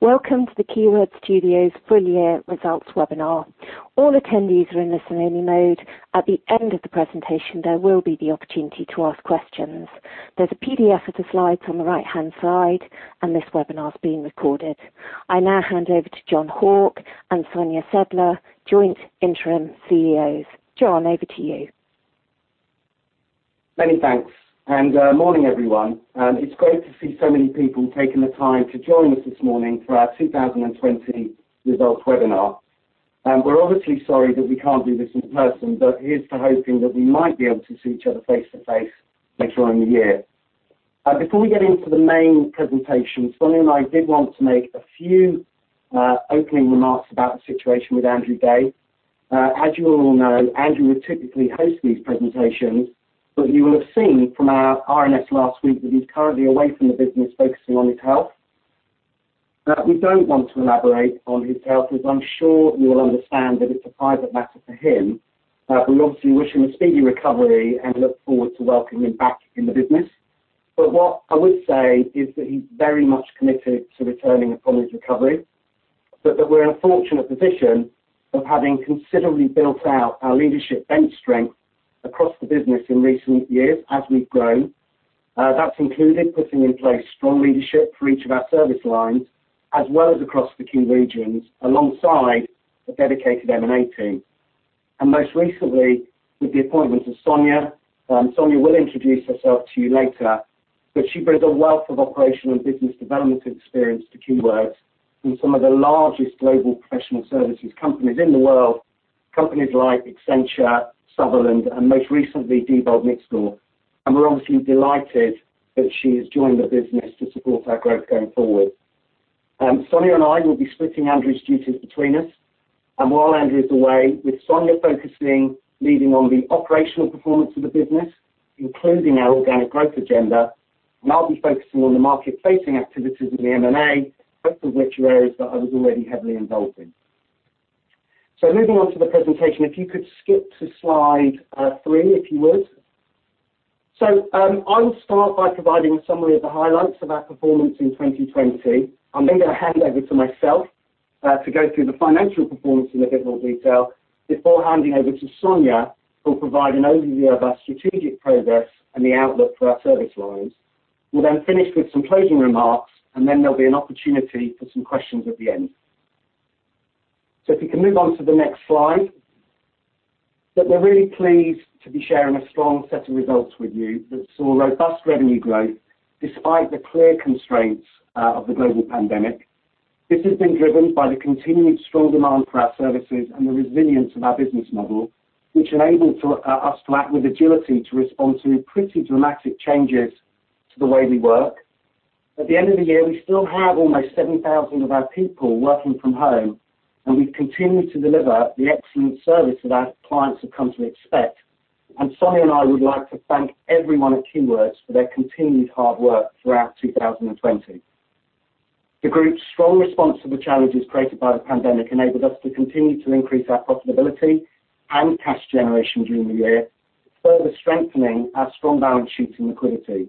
Welcome to the Keywords Studios full year results webinar. All attendees are in listen only mode. At the end of the presentation, there will be the opportunity to ask questions. There's a PDF of the slides on the right-hand side, and this webinar is being recorded. I now hand over to Jon Hauck and Sonia Sedler, joint interim CEOs. Jon, over to you. Many thanks. Morning, everyone. It's great to see so many people taking the time to join us this morning for our 2020 results webinar. We're obviously sorry that we can't do this in person, but here's to hoping that we might be able to see each other face to face later on in the year. Before we get into the main presentation, Sonia and I did want to make a few opening remarks about the situation with Andrew Day. As you all know, Andrew would typically host these presentations, but you will have seen from our RNS last week that he's currently away from the business focusing on his health. We don't want to elaborate on his health, as I'm sure you will understand that it's a private matter for him. We obviously wish him a speedy recovery and look forward to welcoming him back in the business. What I would say is that he's very much committed to returning upon his recovery, but that we're in a fortunate position of having considerably built out our leadership bench strength across the business in recent years as we've grown. That's included putting in place strong leadership for each of our service lines, as well as across the key regions, alongside a dedicated M&A team. Most recently, with the appointment of Sonia. Sonia will introduce herself to you later, but she brings a wealth of operational and business development experience to Keywords from some of the largest global professional services companies in the world, companies like Accenture, Sutherland, and most recently Diebold Nixdorf. We're obviously delighted that she has joined the business to support our growth going forward. Sonia and I will be splitting Andrew's duties between us. While Andrew's away, with Sonia focusing leading on the operational performance of the business, including our organic growth agenda, and I'll be focusing on the market-facing activities in the M&A, both of which are areas that I was already heavily involved in. Moving on to the presentation, if you could skip to slide three, if you would. I'll start by providing a summary of the highlights of our performance in 2020. I'm then going to hand over to myself to go through the financial performance in a bit more detail before handing over to Sonia, who'll provide an overview of our strategic progress and the outlook for our service lines. We'll then finish with some closing remarks. There'll be an opportunity for some questions at the end. If you can move on to the next slide. That we're really pleased to be sharing a strong set of results with you that saw robust revenue growth despite the clear constraints of the global pandemic. This has been driven by the continued strong demand for our services and the resilience of our business model, which enabled us to act with agility to respond to pretty dramatic changes to the way we work. At the end of the year, we still have almost 7,000 of our people working from home, and we've continued to deliver the excellent service that our clients have come to expect. Sonia and I would like to thank everyone at Keywords for their continued hard work throughout 2020. The group's strong response to the challenges created by the pandemic enabled us to continue to increase our profitability and cash generation during the year, further strengthening our strong balance sheet and liquidity.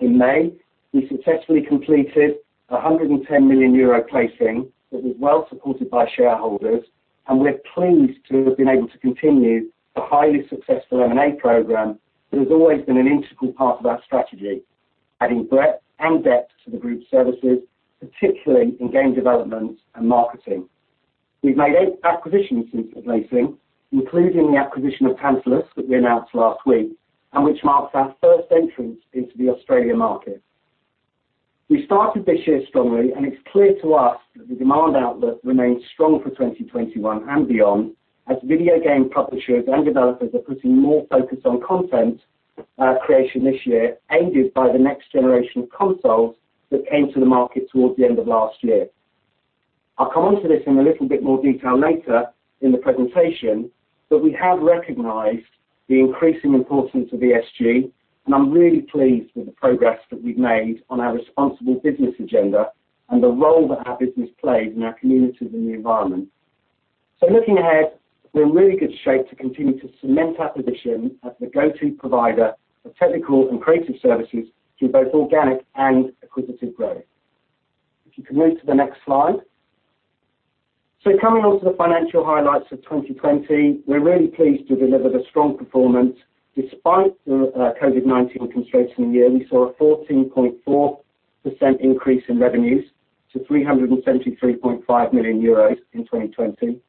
In May, we successfully completed a 110 million euro placing that was well supported by shareholders. We're pleased to have been able to continue the highly successful M&A program that has always been an integral part of our strategy, adding breadth and depth to the group's services, particularly in game development and marketing. We've made eight acquisitions since the placing, including the acquisition of Tantalus that we announced last week, and which marks our first entrance into the Australia market. We started this year strongly. It's clear to us that the demand outlook remains strong for 2021 and beyond as video game publishers and developers are putting more focus on content creation this year, aided by the next generation of consoles that came to the market towards the end of last year. I'll come onto this in a little bit more detail later in the presentation, but we have recognized the increasing importance of ESG, and I'm really pleased with the progress that we've made on our responsible business agenda and the role that our business plays in our communities and the environment. Looking ahead, we're in really good shape to continue to cement our position as the go-to provider for technical and creative services through both organic and acquisitive growth. If you can move to the next slide. Coming on to the financial highlights of 2020, we're really pleased to have delivered a strong performance. Despite the COVID-19 constraints in the year, we saw a 14.4% increase in revenues to 373.5 million euros in 2020.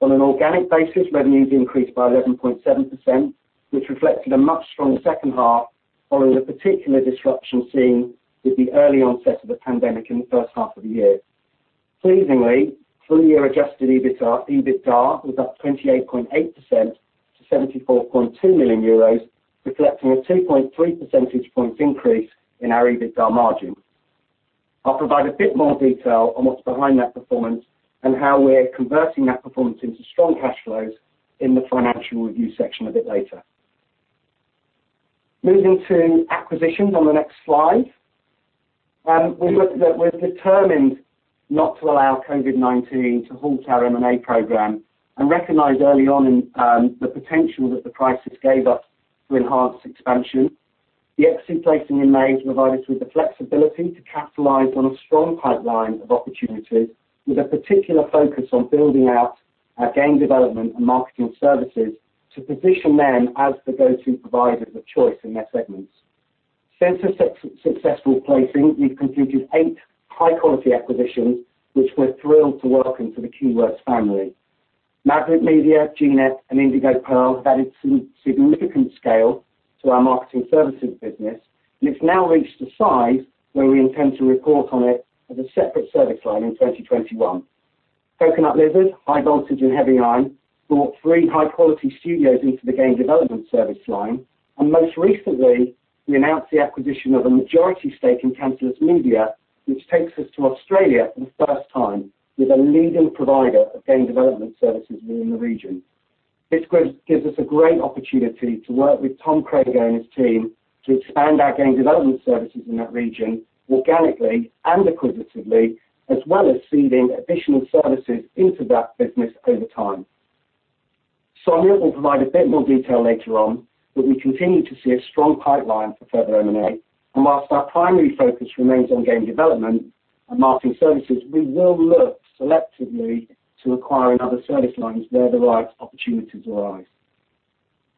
On an organic basis, revenues increased by 11.7%, which reflected a much stronger second half following the particular disruption seen with the early onset of the pandemic in the first half of the year. Pleasingly, full year adjusted EBITDA was up 28.8% to 74.2 million euros, reflecting a 2.3 percentage points increase in our EBITDA margin. I'll provide a bit more detail on what's behind that performance and how we're converting that performance into strong cash flows in the financial review section a bit later. Moving to acquisitions on the next slide. We were determined not to allow COVID-19 to halt our M&A program and recognized early on the potential that the crisis gave us to enhance expansion. The equity placing in May provided us with the flexibility to capitalize on a strong pipeline of opportunities, with a particular focus on building out our Game Development and Marketing Services to position them as the go-to providers of choice in their segments. Since the successful placing, we've completed eight high-quality acquisitions, which we're thrilled to welcome to the Keywords family. Maverick Media, gnet, and Indigo Pearl have added some significant scale to our Marketing Services business, and it's now reached a size where we intend to report on it as a separate service line in 2021. Coconut Lizard, High Voltage and Heavy Iron brought three high-quality studios into the Game Development Service Line. Most recently, we announced the acquisition of a majority stake in Tantalus Media, which takes us to Australia for the first time with a leading provider of game development services within the region. This gives us a great opportunity to work with Tom Crago and his team to expand our game development services in that region organically and acquisitively, as well as seeding additional services into that business over time. Sonia will provide a bit more detail later on, but we continue to see a strong pipeline for further M&A. Whilst our primary focus remains on game development and marketing services, we will look selectively to acquiring other service lines where the right opportunities arise.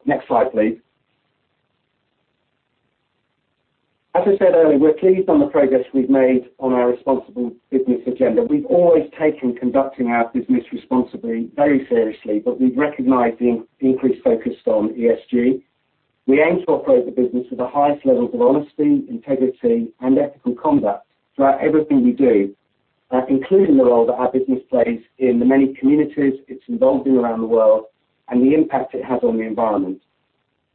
Next slide, please. As I said earlier, we're pleased on the progress we've made on our responsible business agenda. We've always taken conducting our business responsibly very seriously. We recognize the increased focus on ESG. We aim to operate the business with the highest levels of honesty, integrity, and ethical conduct throughout everything we do, including the role that our business plays in the many communities it's involved in around the world and the impact it has on the environment.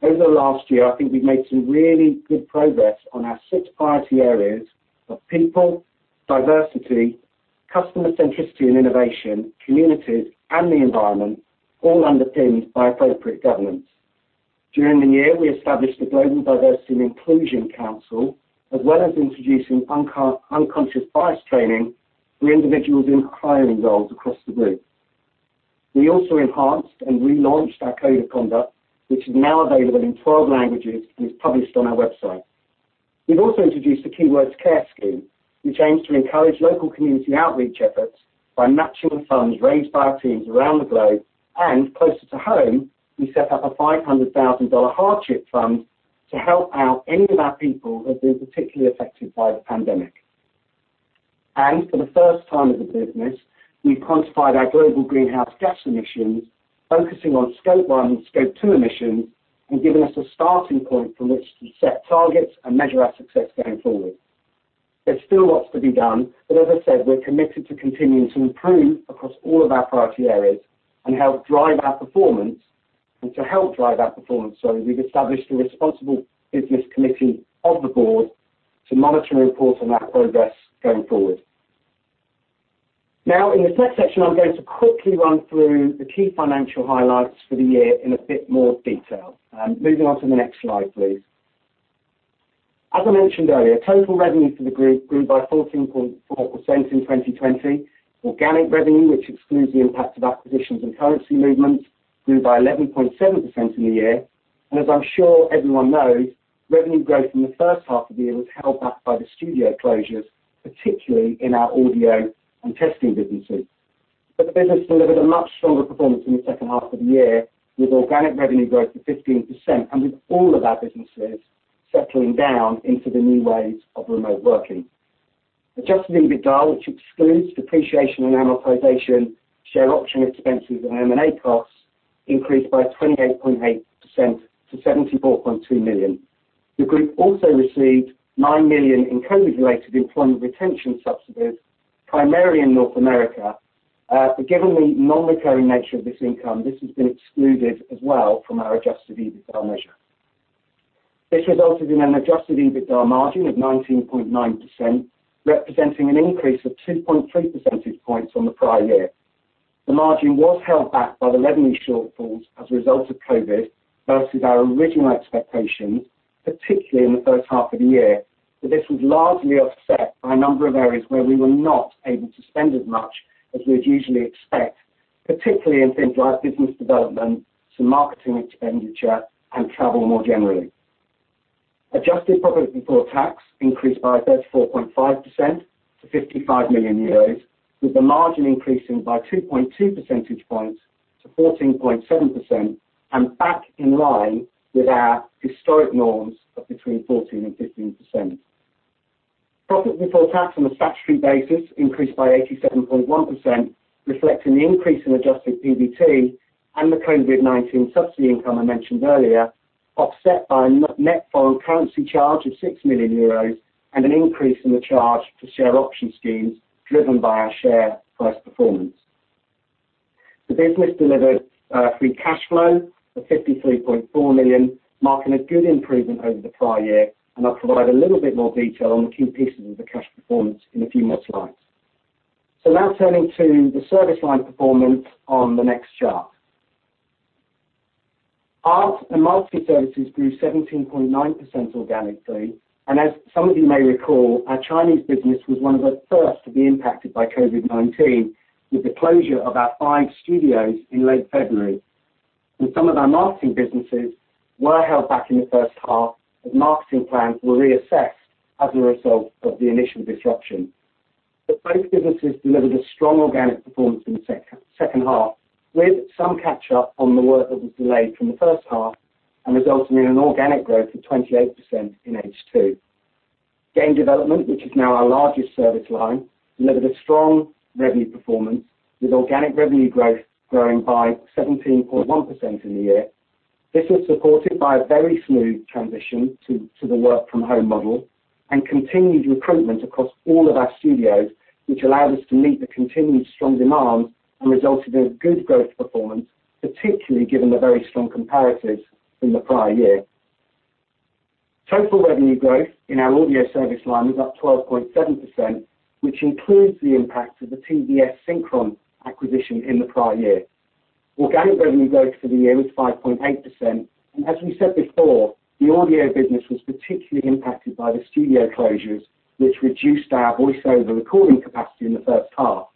Over the last year, I think we've made some really good progress on our six priority areas of people, diversity, customer centricity and innovation, communities, and the environment, all underpinned by appropriate governance. During the year, we established the Global Diversity and Inclusion Council, as well as introducing unconscious bias training for individuals in hiring roles across the group. We also enhanced and relaunched our code of conduct, which is now available in 12 languages and is published on our website. We've also introduced the Keywords Care Scheme, which aims to encourage local community outreach efforts by matching the funds raised by our teams around the globe. Closer to home, we set up a EUR 500,000 hardship fund to help out any of our people who have been particularly affected by the pandemic. For the first time as a business, we quantified our global greenhouse gas emissions, focusing on Scope 1 and Scope 2 emissions, and giving us a starting point from which to set targets and measure our success going forward. There's still lots to be done, but as I said, we're committed to continuing to improve across all of our priority areas and to help drive our performance. We've established a responsible business committee of the board to monitor and report on that progress going forward. In this next section, I'm going to quickly run through the key financial highlights for the year in a bit more detail. Moving on to the next slide, please. As I mentioned earlier, total revenue for the group grew by 14.4% in 2020. Organic revenue, which excludes the impact of acquisitions and currency movements, grew by 11.7% in the year. As I'm sure everyone knows, revenue growth in the first half of the year was held back by the studio closures, particularly in our audio and testing businesses. The business delivered a much stronger performance in the second half of the year, with organic revenue growth of 15% and with all of our businesses settling down into the new ways of remote working. Adjusted EBITDA, which excludes depreciation and amortization, share option expenses, and M&A costs, increased by 28.8% to 74.2 million. The group also received 9 million in COVID-related employment retention subsidies, primarily in North America. Given the non-recurring nature of this income, this has been excluded as well from our adjusted EBITDA measure. This resulted in an adjusted EBITDA margin of 19.9%, representing an increase of 2.3 percentage points on the prior year. The margin was held back by the revenue shortfalls as a result of COVID versus our original expectations, particularly in the first half of the year. This was largely offset by a number of areas where we were not able to spend as much as we would usually expect, particularly in things like business development, some marketing expenditure, and travel more generally. Adjusted profit before tax increased by 34.5% to 55 million euros, with the margin increasing by 2.2 percentage points to 14.7% and back in line with our historic norms of between 14% and 15%. Profit before tax on a statutory basis increased by 87.1%, reflecting the increase in adjusted PBT and the COVID-19 subsidy income I mentioned earlier, offset by a net foreign currency charge of 6 million euros and an increase in the charge for share option schemes driven by our share price performance. The business delivered free cash flow of 53.4 million, marking a good improvement over the prior year, and I'll provide a little bit more detail on the key pieces of the cash performance in a few more slides. Now turning to the service line performance on the next chart. Art and marketing services grew 17.9% organically. As some of you may recall, our Chinese business was one of the first to be impacted by COVID-19, with the closure of our five studios in late February. Some of our marketing businesses were held back in the first half as marketing plans were reassessed as a result of the initial disruption. Both businesses delivered a strong organic performance in the second half, with some catch up on the work that was delayed from the first half and resulting in an organic growth of 28% in H2. Game development, which is now our largest service line, delivered a strong revenue performance with organic revenue growth growing by 17.1% in the year. This was supported by a very smooth transition to the work from home model and continued recruitment across all of our studios, which allowed us to meet the continued strong demand and resulted in a good growth performance, particularly given the very strong comparatives in the prior year. Total revenue growth in our audio service line was up 12.7%, which includes the impact of the TV+Synchron acquisition in the prior year. Organic revenue growth for the year was 5.8%, and as we said before, the audio business was particularly impacted by the studio closures, which reduced our voiceover recording capacity in the first half.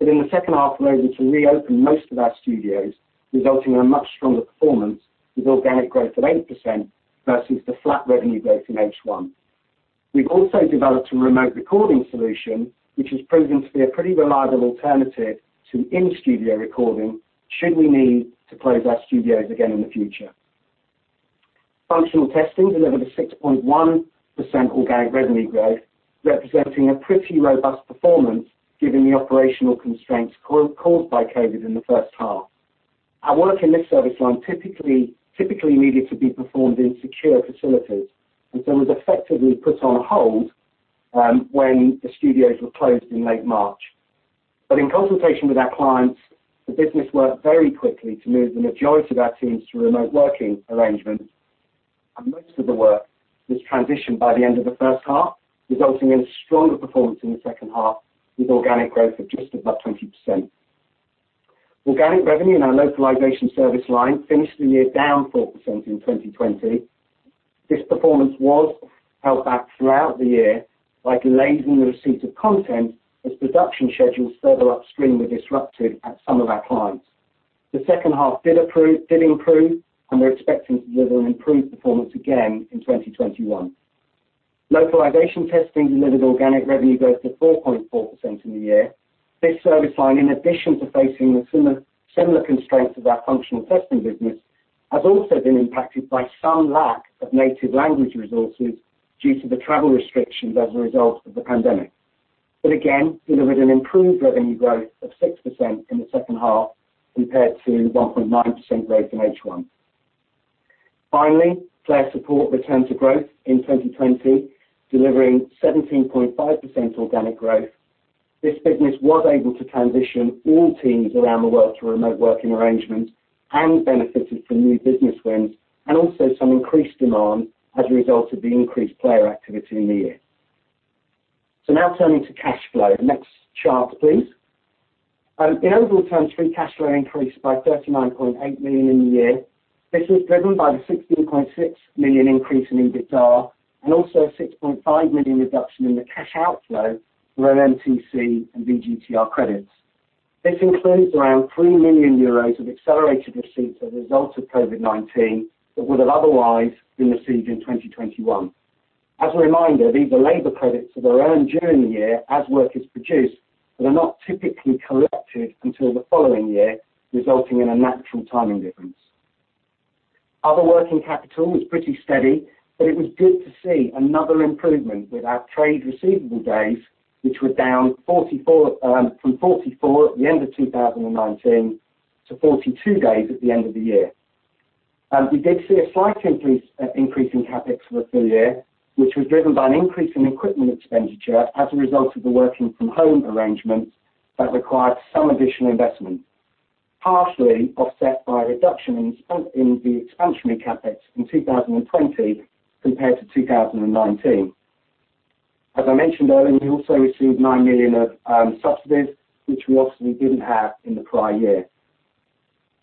In the second half, we were able to reopen most of our studios, resulting in a much stronger performance with organic growth of 8% versus the flat revenue growth in H1. We've also developed a remote recording solution, which has proven to be a pretty reliable alternative to in-studio recording should we need to close our studios again in the future. Functional testing delivered a 6.1% organic revenue growth, representing a pretty robust performance given the operational constraints caused by COVID-19 in the first half. Our work in this service line typically needed to be performed in secure facilities and so was effectively put on hold when the studios were closed in late March. In consultation with our clients, the business worked very quickly to move the majority of our teams to remote working arrangements, and most of the work was transitioned by the end of the first half, resulting in a stronger performance in the second half with organic growth of just above 20%. Organic revenue in our localization service line finished the year down 4% in 2020. This performance was held back throughout the year by delays in the receipt of content as production schedules further upstream were disrupted at some of our clients. The second half did improve, we're expecting to deliver an improved performance again in 2021. Localization testing delivered organic revenue growth of 4.4% in the year. This service line, in addition to facing the similar constraints of our functional testing business, has also been impacted by some lack of native language resources due to the travel restrictions as a result of the pandemic. Again, delivered an improved revenue growth of 6% in the second half compared to 1.9% growth in H1. Finally, player support returned to growth in 2020, delivering 17.5% organic growth. This business was able to transition all teams around the world to remote working arrangements and benefited from new business wins and also some increased demand as a result of the increased player activity in the year. Now turning to cash flow. Next chart, please. In overall terms, free cash flow increased by 39.8 million in the year. This was driven by the 16.6 million increase in EBITDA and also a 6.5 million reduction in the cash outflow for MMTC and VGTR credits. This includes around 3 million euros of accelerated receipts as a result of COVID-19 that would have otherwise been received in 2021. As a reminder, these are labor credits that are earned during the year as work is produced but are not typically collected until the following year, resulting in a natural timing difference. Other working capital was pretty steady, but it was good to see another improvement with our trade receivable days, which were down from 44 at the end of 2019 to 42 days at the end of the year. We did see a slight increase in CapEx for the full year, which was driven by an increase in equipment expenditure as a result of the working from home arrangements that required some additional investment, partially offset by a reduction in the expansionary CapEx in 2020 compared to 2019. As I mentioned earlier, we also received 9 million of subsidies, which we obviously didn't have in the prior year.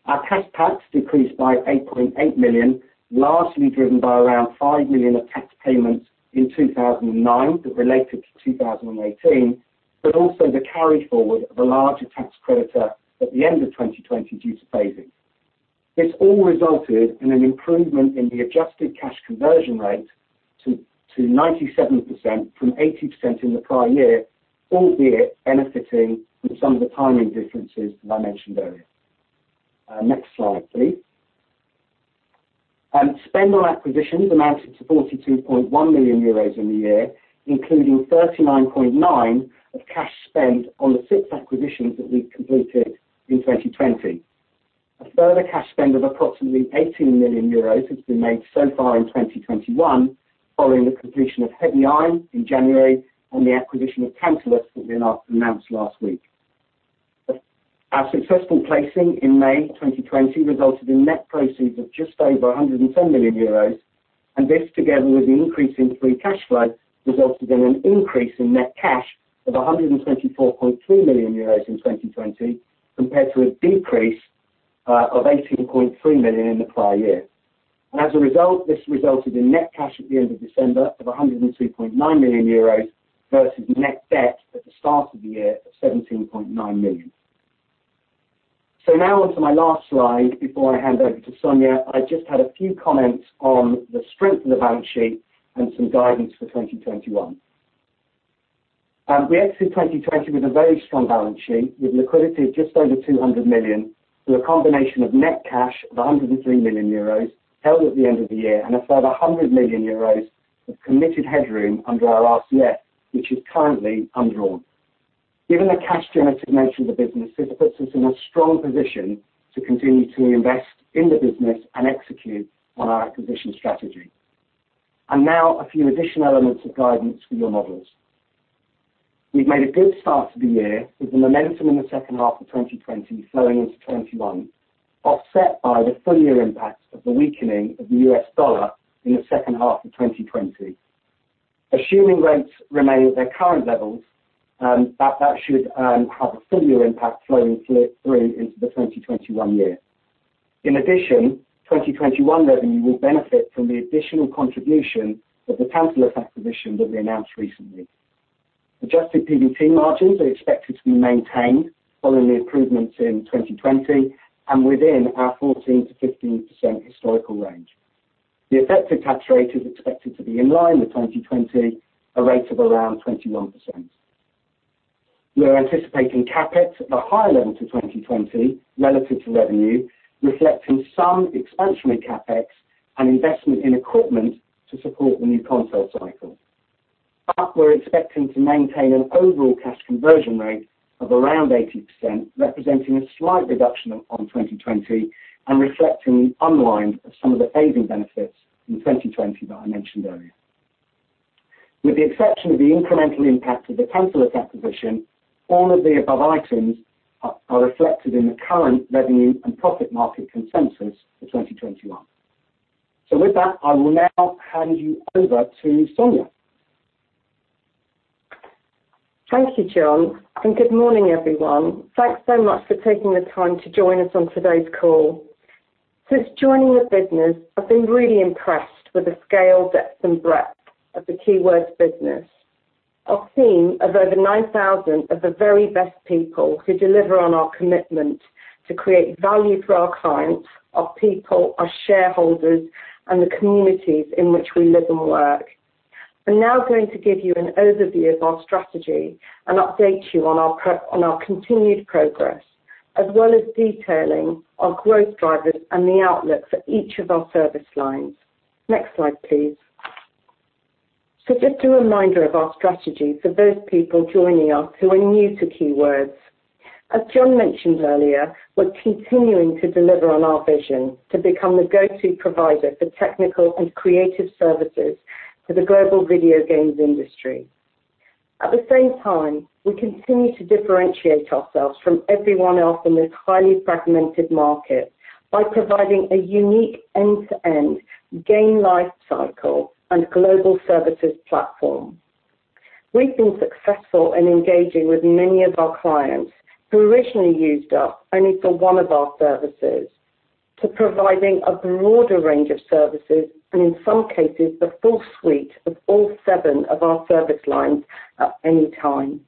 Our cash tax decreased by 8.8 million, largely driven by around 5 million of tax payments in 2009 that related to 2018, but also the carry-forward of a larger tax creditor at the end of 2020 due to phasing. This all resulted in an improvement in the adjusted cash conversion rate to 97% from 80% in the prior year, albeit benefiting from some of the timing differences that I mentioned earlier. Next slide, please. Spend on acquisitions amounted to 42.1 million euros in the year, including 39.9 of cash spent on the six acquisitions that we completed in 2020. A further cash spend of approximately EUR 18 million has been made so far in 2021 following the completion of Heavy Iron in January and the acquisition of Tantalus that we announced last week. Our successful placing in May 2020 resulted in net proceeds of just over 110 million euros, and this, together with the increase in free cash flow, resulted in an increase in net cash of 124.3 million euros in 2020, compared to a decrease of 18.3 million in the prior year. As a result, this resulted in net cash at the end of December of 102.9 million euros versus net debt at the start of the year of 17.9 million. Now on to my last slide before I hand over to Sonia. I just had a few comments on the strength of the balance sheet and some guidance for 2021. We exited 2020 with a very strong balance sheet, with liquidity of just over 200 million through a combination of net cash of 103 million euros held at the end of the year and a further 100 million euros of committed headroom under our RCF, which is currently undrawn. Given the cash generative nature of the business, this puts us in a strong position to continue to invest in the business and execute on our acquisition strategy. Now a few additional elements of guidance for your models. We've made a good start to the year, with the momentum in the second half of 2020 flowing into 2021, offset by the full year impact of the weakening of the US dollar in the second half of 2020. Assuming rates remain at their current levels, that should have a full year impact flowing through into the 2021 year. In addition, 2021 revenue will benefit from the additional contribution of the Tantalus acquisition that we announced recently. Adjusted PBT margins are expected to be maintained following the improvements in 2020, within our 14%-15% historical range. The effective tax rate is expected to be in line with 2020, a rate of around 21%. We are anticipating CapEx at the higher end to 2020 relative to revenue, reflecting some expansionary CapEx and investment in equipment to support the new console cycle. We're expecting to maintain an overall cash conversion rate of around 80%, representing a slight reduction upon 2020 and reflecting the unwind of some of the phasing benefits in 2020 that I mentioned earlier. With the exception of the incremental impact of the Tantalus acquisition, all of the above items are reflected in the current revenue and profit market consensus for 2021. With that, I will now hand you over to Sonia. Thank you, Jon, and good morning, everyone. Thanks so much for taking the time to join us on today's call. Since joining the business, I've been really impressed with the scale, depth, and breadth of the Keywords business. Our team of over 9,000 of the very best people who deliver on our commitment to create value for our clients, our people, our shareholders, and the communities in which we live and work. I'm now going to give you an overview of our strategy and update you on our continued progress, as well as detailing our growth drivers and the outlook for each of our service lines. Next slide, please. Just a reminder of our strategy for those people joining us who are new to Keywords. As Jon mentioned earlier, we're continuing to deliver on our vision to become the go-to provider for technical and creative services for the global video games industry. At the same time, we continue to differentiate ourselves from everyone else in this highly fragmented market by providing a unique end-to-end game life cycle and global services platform. We've been successful in engaging with many of our clients who originally used us only for one of our services to providing a broader range of services, and in some cases, the full suite of all seven of our service lines at any time.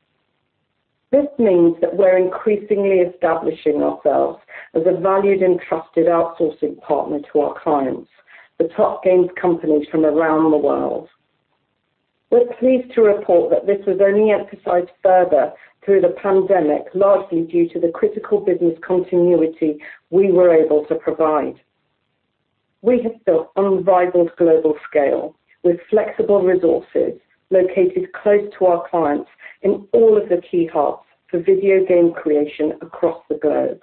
This means that we're increasingly establishing ourselves as a valued and trusted outsourcing partner to our clients, the top games companies from around the world. We're pleased to report that this was only emphasized further through the pandemic, largely due to the critical business continuity we were able to provide. We have built unrivaled global scale with flexible resources located close to our clients in all of the key hubs for video game creation across the globe.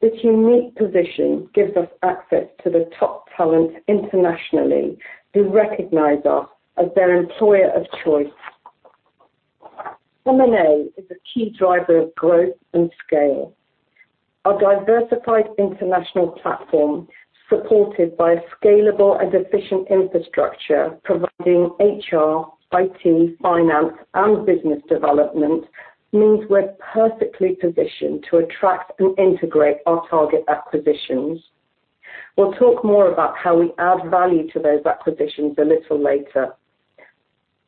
This unique position gives us access to the top talent internationally who recognize us as their employer of choice. M&A is a key driver of growth and scale. Our diversified international platform, supported by a scalable and efficient infrastructure providing HR, IT, finance, and business development, means we're perfectly positioned to attract and integrate our target acquisitions. We'll talk more about how we add value to those acquisitions a little later.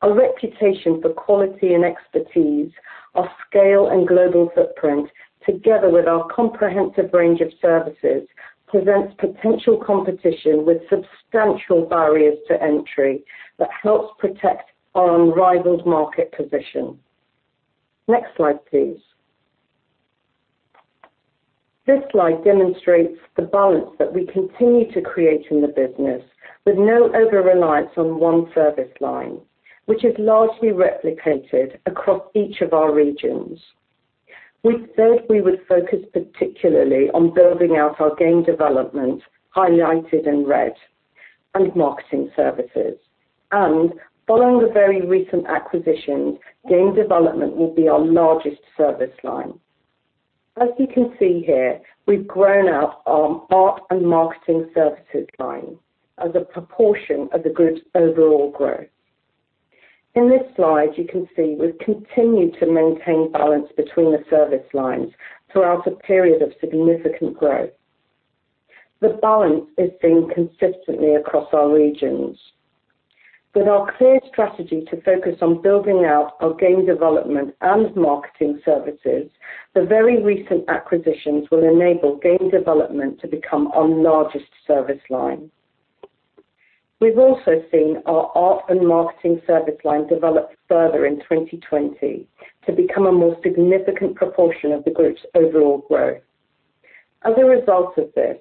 Our reputation for quality and expertise, our scale and global footprint, together with our comprehensive range of services, presents potential competition with substantial barriers to entry that helps protect our unrivaled market position. Next slide, please. This slide demonstrates the balance that we continue to create in the business with no overreliance on one service line, which is largely replicated across each of our regions. We said we would focus particularly on building out our game development, highlighted in red, and marketing services. Following the very recent acquisitions, game development will be our largest service line. As you can see here, we've grown out our art and marketing services line as a proportion of the group's overall growth. In this slide, you can see we've continued to maintain balance between the service lines throughout a period of significant growth. The balance is seen consistently across our regions. With our clear strategy to focus on building out our game development and marketing services, the very recent acquisitions will enable game development to become our largest service line. We've also seen our art and marketing service line develop further in 2020 to become a more significant proportion of the group's overall growth. As a result of this,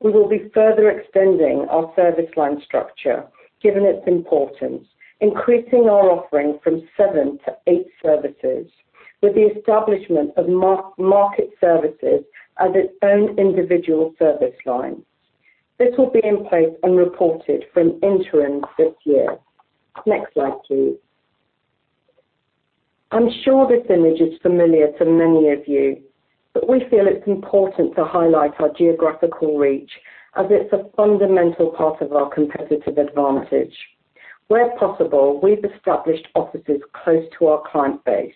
we will be further extending our service line structure, given its importance, increasing our offering from seven to eight services, with the establishment of Market Services as its own individual service line. This will be in place and reported from interim this year. Next slide, please. I'm sure this image is familiar to many of you, but we feel it's important to highlight our geographical reach, as it's a fundamental part of our competitive advantage. Where possible, we've established offices close to our client base,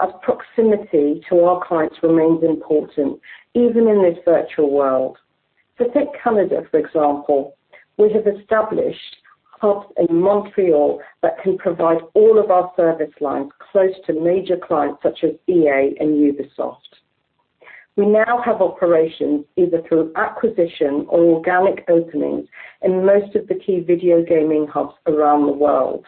as proximity to our clients remains important, even in this virtual world. So take Canada, for example, we have established hubs in Montreal that can provide all of our service lines close to major clients such as EA and Ubisoft. We now have operations either through acquisition or organic openings in most of the key video gaming hubs around the world.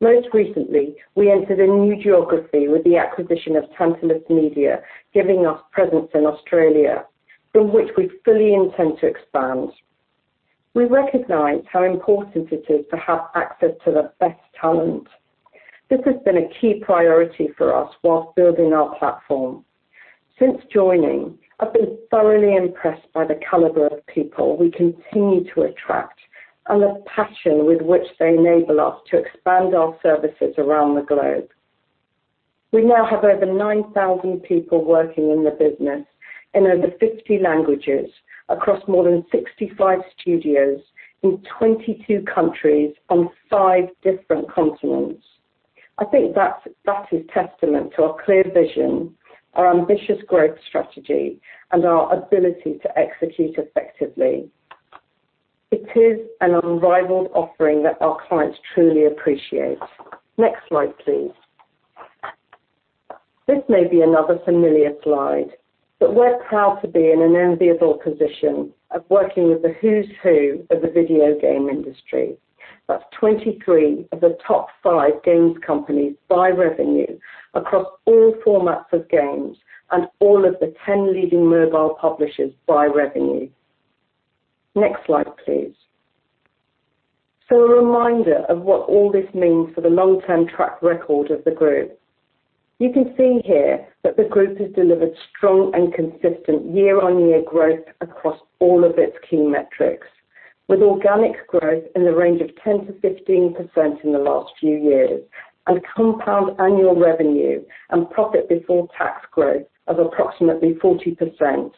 Most recently, we entered a new geography with the acquisition of Tantalus Media, giving us presence in Australia, from which we fully intend to expand. We recognize how important it is to have access to the best talent. This has been a key priority for us whilst building our platform. Since joining, I've been thoroughly impressed by the caliber of people we continue to attract and the passion with which they enable us to expand our services around the globe. We now have over 9,000 people working in the business in over 50 languages across more than 65 studios in 22 countries on five different continents. I think that is testament to our clear vision, our ambitious growth strategy, and our ability to execute effectively. It is an unrivaled offering that our clients truly appreciate. Next slide, please. This may be another familiar slide, we're proud to be in an enviable position of working with the who's who of the video game industry. That's 23 of the top five games companies by revenue across all formats of games, and all of the 10 leading mobile publishers by revenue. Next slide, please. A reminder of what all this means for the long-term track record of the group. You can see here that the group has delivered strong and consistent year-on-year growth across all of its key metrics, with organic growth in the range of 10%-15% in the last few years, and compound annual revenue and profit before tax growth of approximately 40%.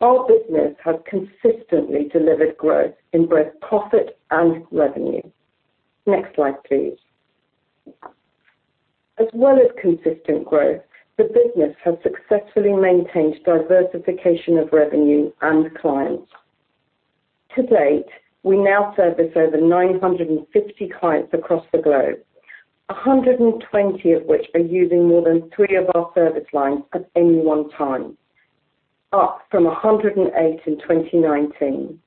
Our business has consistently delivered growth in both profit and revenue. Next slide, please. As well as consistent growth, the business has successfully maintained diversification of revenue and clients. To date, we now service over 950 clients across the globe, 120 of which are using more than three of our service lines at any one time, up from 108 in 2019.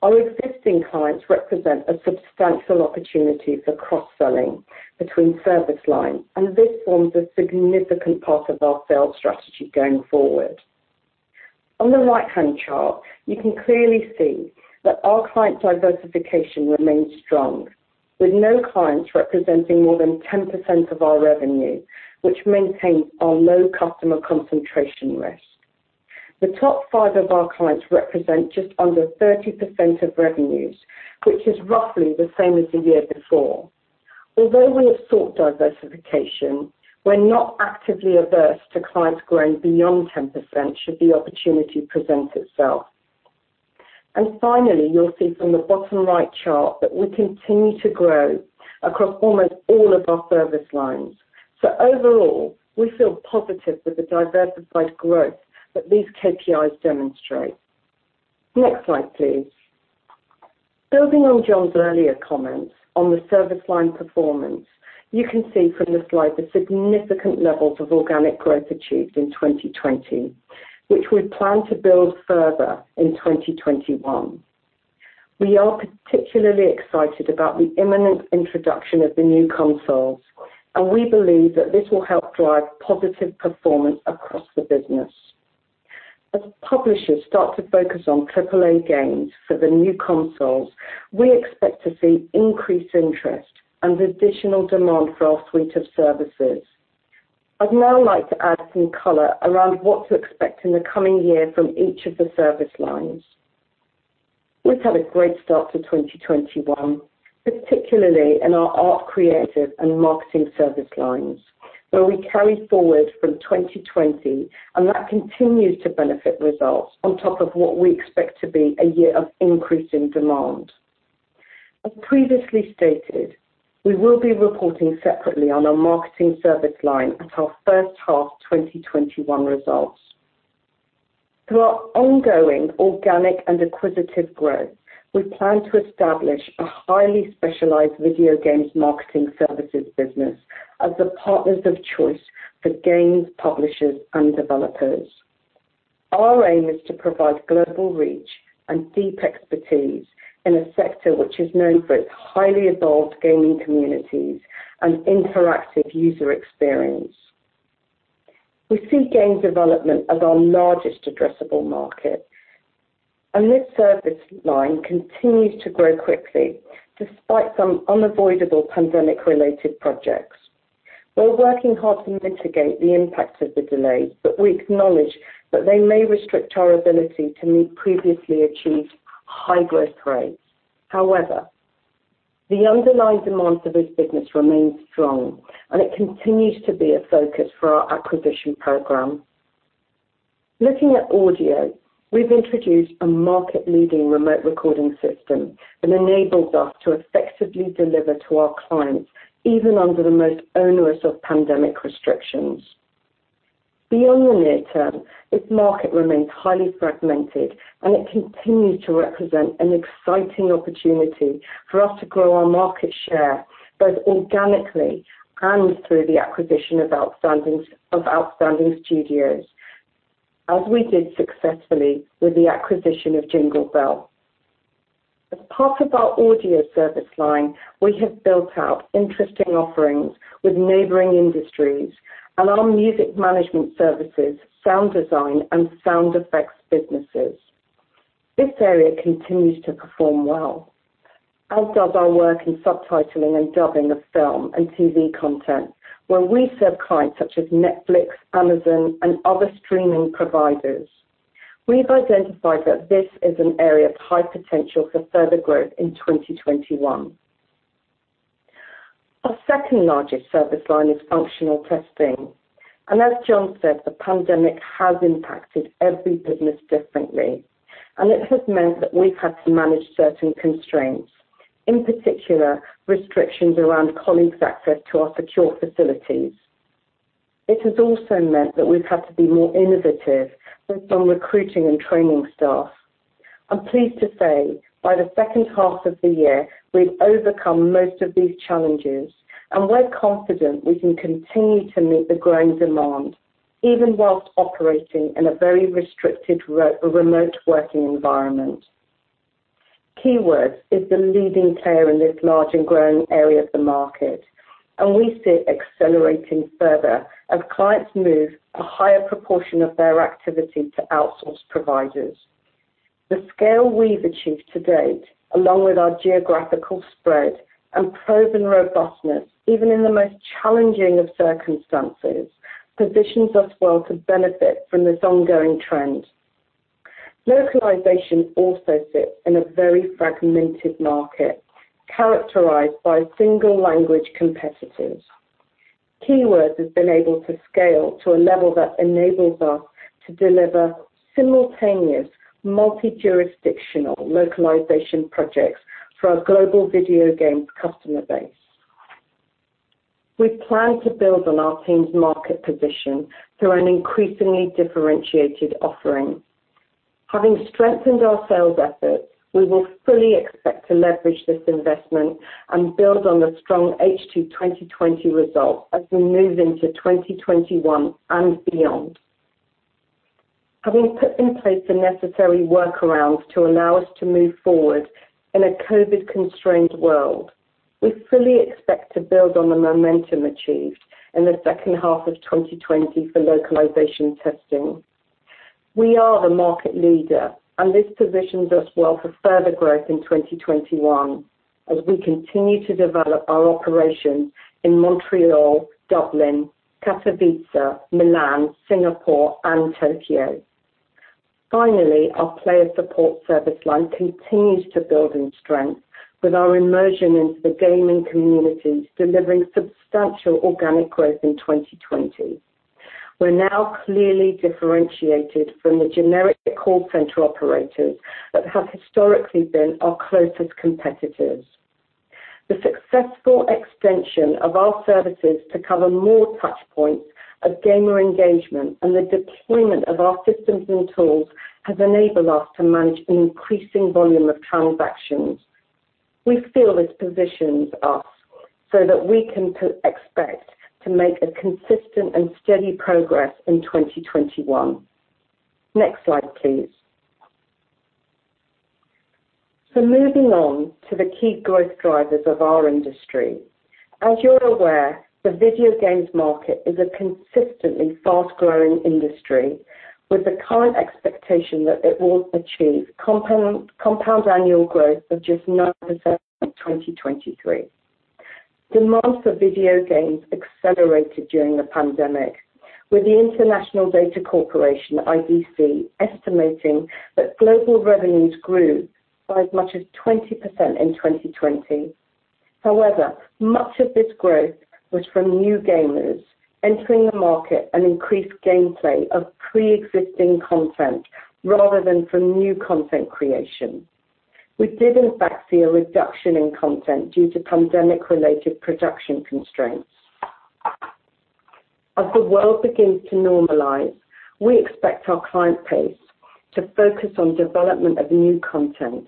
Our existing clients represent a substantial opportunity for cross-selling between service lines, and this forms a significant part of our sales strategy going forward. On the right-hand chart, you can clearly see that our client diversification remains strong, with no clients representing more than 10% of our revenue, which maintains our low customer concentration risk. The top five of our clients represent just under 30% of revenues, which is roughly the same as the year before. Although we have sought diversification, we are not actively averse to clients growing beyond 10% should the opportunity present itself. Finally, you will see from the bottom right chart that we continue to grow across almost all of our service lines. Overall, we feel positive with the diversified growth that these KPIs demonstrate. Next slide, please. Building on Jon's earlier comments on the service line performance, you can see from the slide the significant levels of organic growth achieved in 2020, which we plan to build further in 2021. We are particularly excited about the imminent introduction of the new consoles, and we believe that this will help drive positive performance across the business. As publishers start to focus on AAA games for the new consoles, we expect to see increased interest and additional demand for our suite of services. I'd now like to add some color around what to expect in the coming year from each of the service lines. We've had a great start to 2021, particularly in our art creative and marketing service lines, where we carried forward from 2020. That continues to benefit results on top of what we expect to be a year of increasing demand. As previously stated, we will be reporting separately on our marketing service line at our first half 2021 results. Through our ongoing organic and acquisitive growth, we plan to establish a highly specialized video games marketing services business as the partners of choice for games publishers and developers. Our aim is to provide global reach and deep expertise in a sector which is known for its highly evolved gaming communities and interactive user experience. We see game development as our largest addressable market, and this service line continues to grow quickly despite some unavoidable pandemic-related projects. We're working hard to mitigate the impact of the delays, but we acknowledge that they may restrict our ability to meet previously achieved high growth rates. However, the underlying demand for this business remains strong, and it continues to be a focus for our acquisition program. Looking at audio, we've introduced a market-leading remote recording system that enables us to effectively deliver to our clients, even under the most onerous of pandemic restrictions. Beyond the near term, this market remains highly fragmented. It continues to represent an exciting opportunity for us to grow our market share both organically and through the acquisition of outstanding studios, as we did successfully with the acquisition of Jinglebell. As part of our audio service line, we have built out interesting offerings with neighboring industries and our music management services, sound design, and sound effects businesses. This area continues to perform well, as does our work in subtitling and dubbing of film and TV content, where we serve clients such as Netflix, Amazon, and other streaming providers. We've identified that this is an area of high potential for further growth in 2021. Our second-largest service line is functional testing. As Jon said, the pandemic has impacted every business differently, and it has meant that we've had to manage certain constraints. In particular, restrictions around colleagues' access to our secure facilities. It has also meant that we've had to be more innovative with our recruiting and training staff. I'm pleased to say, by the second half of the year, we've overcome most of these challenges, and we're confident we can continue to meet the growing demand, even whilst operating in a very restricted remote working environment. Keywords is the leading player in this large and growing area of the market, and we see it accelerating further as clients move a higher proportion of their activity to outsource providers. The scale we've achieved to date, along with our geographical spread and proven robustness, even in the most challenging of circumstances, positions us well to benefit from this ongoing trend. Localization also sits in a very fragmented market characterized by single language competitors. Keywords has been able to scale to a level that enables us to deliver simultaneous multi-jurisdictional localization projects for our global video games customer base. We plan to build on our team's market position through an increasingly differentiated offering. Having strengthened our sales efforts, we will fully expect to leverage this investment and build on the strong H2 2020 result as we move into 2021 and beyond. Having put in place the necessary workarounds to allow us to move forward in a COVID-constrained world, we fully expect to build on the momentum achieved in the second half of 2020 for localization testing. We are the market leader, and this positions us well for further growth in 2021 as we continue to develop our operations in Montreal, Dublin, Katowice, Milan, Singapore, and Tokyo. Finally, our player support service line continues to build in strength with our immersion into the gaming communities delivering substantial organic growth in 2020. We're now clearly differentiated from the generic call center operators that have historically been our closest competitors. The successful extension of our services to cover more touchpoints of gamer engagement and the deployment of our systems and tools has enabled us to manage an increasing volume of transactions. We feel this positions us so that we can expect to make a consistent and steady progress in 2021. Next slide, please. Moving on to the key growth drivers of our industry. As you're aware, the video games market is a consistently fast-growing industry with the current expectation that it will achieve compound annual growth of just 9% by 2023. Demand for video games accelerated during the pandemic. With the International Data Corporation, IDC, estimating that global revenues grew by as much as 20% in 2020. However, much of this growth was from new gamers entering the market and increased gameplay of preexisting content rather than from new content creation. We did in fact see a reduction in content due to pandemic-related production constraints. As the world begins to normalize, we expect our client base to focus on development of new content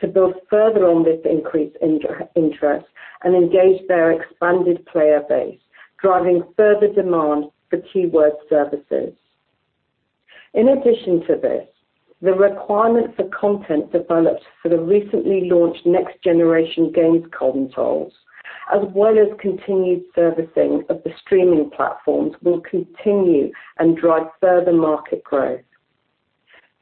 to build further on this increased interest and engage their expanded player base, driving further demand for Keywords Studios services. In addition to this, the requirement for content developed for the recently launched next-generation games consoles, as well as continued servicing of the streaming platforms, will continue and drive further market growth.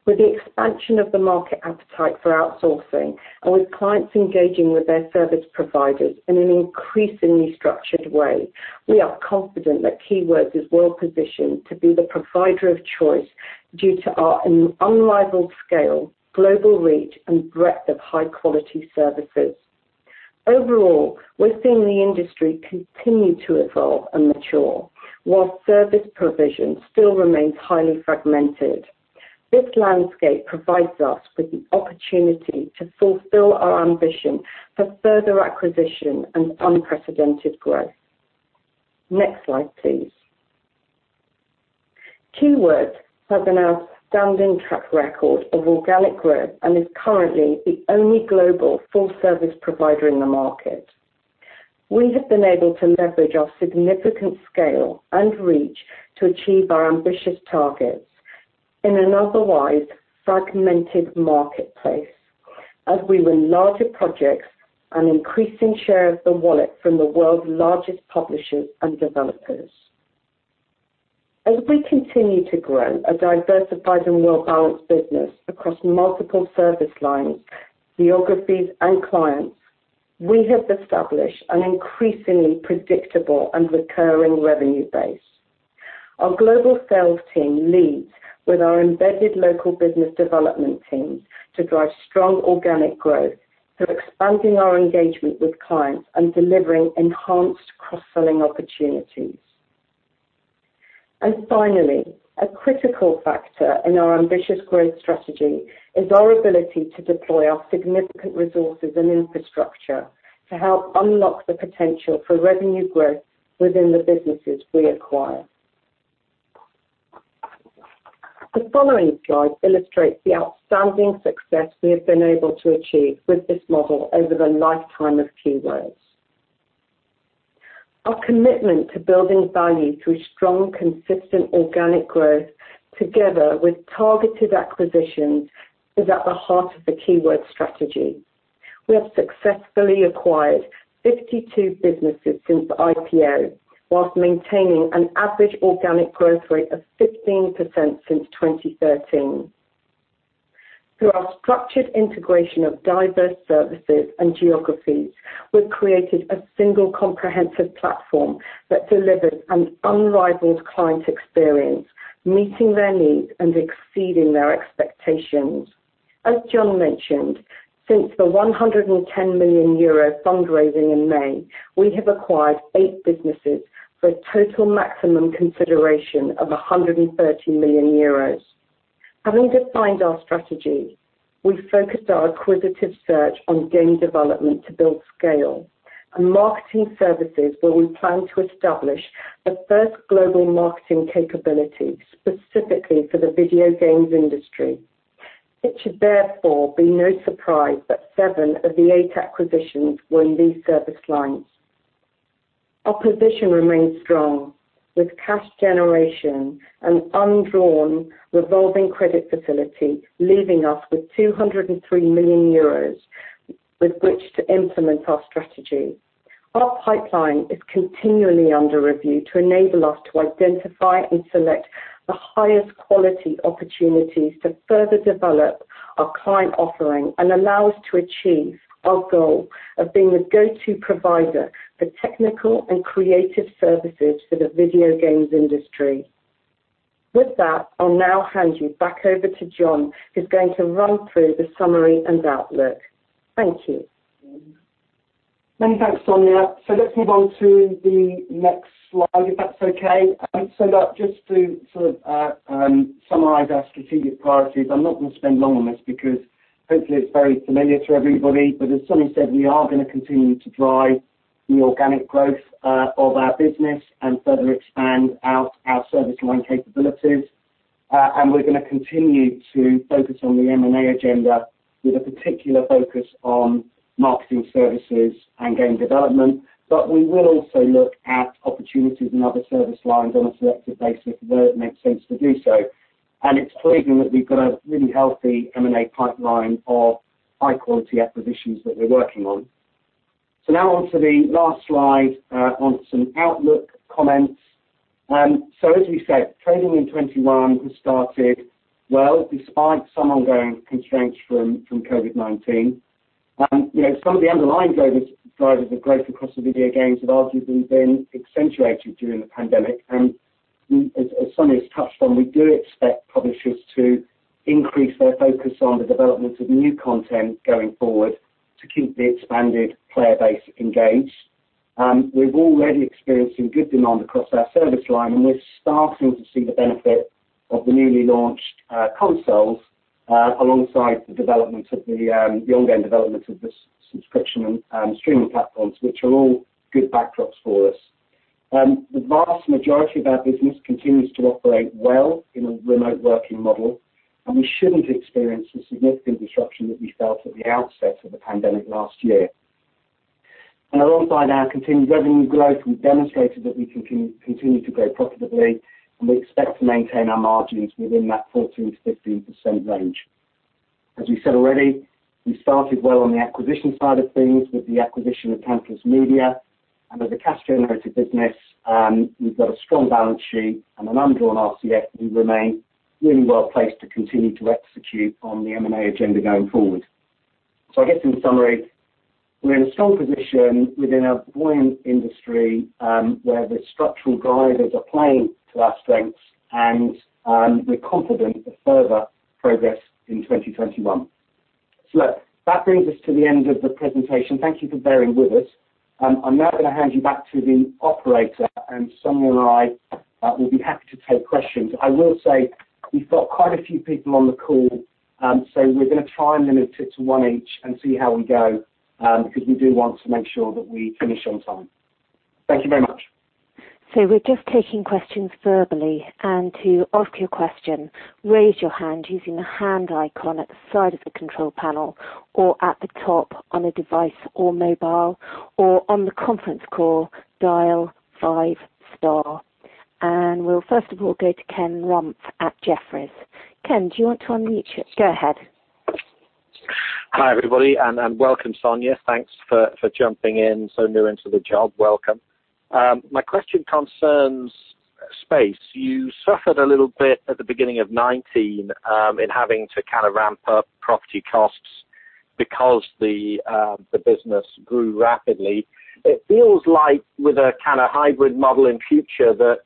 With the expansion of the market appetite for outsourcing and with clients engaging with their service providers in an increasingly structured way, we are confident that Keywords is well-positioned to be the provider of choice due to our unrivaled scale, global reach, and breadth of high-quality services. Overall, we're seeing the industry continue to evolve and mature while service provision still remains highly fragmented. This landscape provides us with the opportunity to fulfill our ambition for further acquisition and unprecedented growth. Next slide, please. Keywords has an outstanding track record of organic growth and is currently the only global full-service provider in the market. We have been able to leverage our significant scale and reach to achieve our ambitious targets in an otherwise fragmented marketplace as we win larger projects, an increasing share of the wallet from the world's largest publishers and developers. As we continue to grow a diversified and well-balanced business across multiple service lines, geographies, and clients, we have established an increasingly predictable and recurring revenue base. Our global sales team leads with our embedded local business development teams to drive strong organic growth through expanding our engagement with clients and delivering enhanced cross-selling opportunities. Finally, a critical factor in our ambitious growth strategy is our ability to deploy our significant resources and infrastructure to help unlock the potential for revenue growth within the businesses we acquire. The following slide illustrates the outstanding success we have been able to achieve with this model over the lifetime of Keywords. Our commitment to building value through strong, consistent organic growth, together with targeted acquisitions, is at the heart of the Keywords strategy. We have successfully acquired 52 businesses since IPO, whilst maintaining an average organic growth rate of 15% since 2013. Through our structured integration of diverse services and geographies, we've created a single comprehensive platform that delivers an unrivaled client experience, meeting their needs and exceeding their expectations. As Jon mentioned, since the 110 million euro fundraising in May, we have acquired eight businesses for a total maximum consideration of 130 million euros. Having defined our strategy, we focused our acquisitive search on game development to build scale and marketing services, where we plan to establish a best global marketing capability, specifically for the video games industry. It should therefore be no surprise that seven of the eight acquisitions were in these service lines. Our position remains strong with cash generation and undrawn revolving credit facility, leaving us with 203 million euros with which to implement our strategy. Our pipeline is continually under review to enable us to identify and select the highest quality opportunities to further develop our client offering and allow us to achieve our goal of being the go-to provider for technical and creative services for the video games industry. With that, I'll now hand you back over to Jon, who's going to run through the summary and outlook. Thank you. Many thanks, Sonia. Let's move on to the next slide if that's okay. That just to sort of summarize our strategic priorities, I'm not going to spend long on this because hopefully it's very familiar to everybody. As Sonia said, we are going to continue to drive the organic growth of our business and further expand out our service line capabilities. We're going to continue to focus on the M&A agenda with a particular focus on marketing services and game development. We will also look at opportunities in other service lines on a selective basis where it makes sense to do so. It's pleasing that we've got a really healthy M&A pipeline of high-quality acquisitions that we're working on. Now on to the last slide on some outlook comments. As we said, trading in 2021 has started well, despite some ongoing constraints from COVID-19. Some of the underlying drivers of growth across the video games have arguably been accentuated during the pandemic. As Sonia's touched on, we do expect publishers to increase their focus on the development of new content going forward to keep the expanded player base engaged. We're already experiencing good demand across our service line, and we're starting to see the benefit of the newly launched consoles alongside the ongoing development of the subscription and streaming platforms, which are all good backdrops for us. The vast majority of our business continues to operate well in a remote working model, and we shouldn't experience the significant disruption that we felt at the outset of the pandemic last year. Alongside our continued revenue growth, we've demonstrated that we can continue to grow profitably, and we expect to maintain our margins within that 14%-15% range. As we said already, we started well on the acquisition side of things with the acquisition of Tantalus Media. As a cash-generative business, we've got a strong balance sheet and an undrawn RCF. We remain really well-placed to continue to execute on the M&A agenda going forward. I guess in summary, we're in a strong position within a buoyant industry, where the structural drivers are playing to our strengths and we're confident of further progress in 2021. Look, that brings us to the end of the presentation. Thank you for bearing with us. I'm now going to hand you back to the operator, and Sonia or I will be happy to take questions. I will say we've got quite a few people on the call, so we're going to try and limit it to one each and see how we go, because we do want to make sure that we finish on time. Thank you very much. We're just taking questions verbally. To ask your question, raise your hand using the hand icon at the side of the control panel or at the top on a device or mobile, or on the conference call, dial five star. We'll first of all go to Ken Rumph at Jefferies. Ken, do you want to unmute? Go ahead. Hi, everybody, and welcome, Sonia. Thanks for jumping in, so new into the job. Welcome. My question concerns space. You suffered a little bit at the beginning of 2019 in having to ramp up property costs because the business grew rapidly. It feels like with a kind of hybrid model in future that,